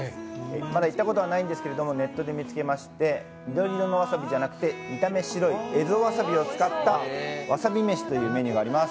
まだ行ったことはないんですけどネットで見つけまして緑色のわさびじゃなくて、蝦夷わさびを使ったわさびめしというメニューがあります。